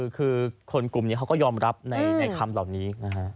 คือคนกลุ่มนี้เขาก็ยอมรับในคำเหล่านี้นะฮะ